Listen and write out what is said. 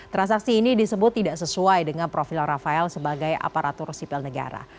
transaksi ini disebut tidak sesuai dengan profil rafael sebagai aparatur sipil negara